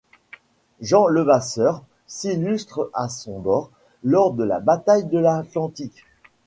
Jean Levasseur s'illustre à son bord lors de la bataille de l'Atlantique.